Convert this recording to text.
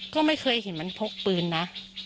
ก็ไม่เคยเห็นมันพกปืนนะ